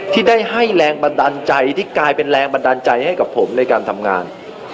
ที่ได้ให้แรงบันดาลใจที่กลายเป็นแรงบันดาลใจให้กับผมในการทำงาน